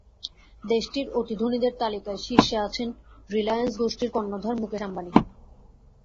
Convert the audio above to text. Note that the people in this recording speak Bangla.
দেশটির অতি ধনীদের তালিকায় শীর্ষে আছেন রিলায়েন্স গোষ্ঠীর কর্ণধার মুকেশ আম্বানি।